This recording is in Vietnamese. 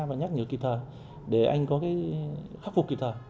và nhắc nhớ kỳ thờ để anh có cái khắc phục kỳ thờ